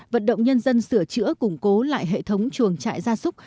vận động nhân dân sửa chữa củng cố lại hệ thống chuồng trại ra xúc